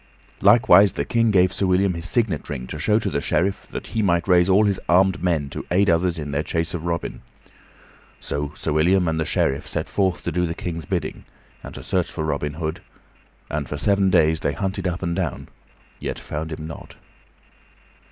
Likewise the King gave Sir William his signet ring to show to the Sheriff, that he might raise all his armed men to aid the others in their chase of Robin. So Sir William and the Sheriff set forth to do the King's bidding and to search for Robin Hood; and for seven days they hunted up and down, yet found him not.